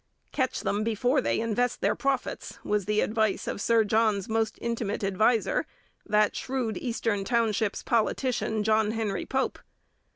'Catch them before they invest their profits,' was the advice of Sir John's most intimate adviser, that shrewd Eastern Townships politician, John Henry Pope.